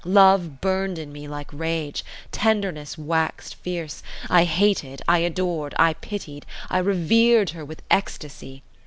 Love burned in me like rage; tenderness waxed fierce; I hated, I adored, I pitied, I revered her with ecstasy.